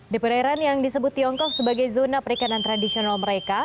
di perairan yang disebut tiongkok sebagai zona perikanan tradisional mereka